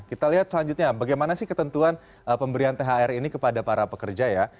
kita lihat selanjutnya bagaimana sih ketentuan pemberian thr ini kepada para pekerja ya